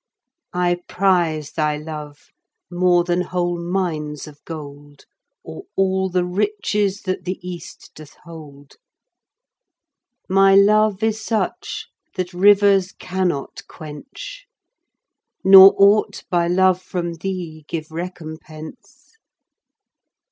I prize thy love more than whole Mines of gold Or all the riches that the East doth hold. My love is such that Rivers cannot quench, Nor ought but love from thee give recompetence.